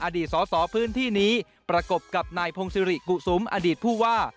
อดีตสอสอพื้นที่นี้ประกบกับนายพงศิริกุศุมอดีตผู้ว่า